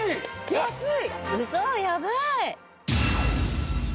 安い！